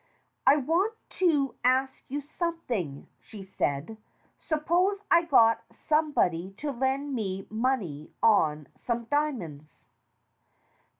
"I want to ask you something," she said. "Suppose I got some body to lend me money on some diamonds.